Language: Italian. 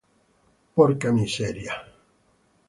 The Green Man